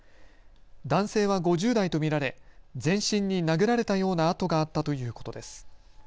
男性は５０代と見られ全身に殴られたような痕があったということです。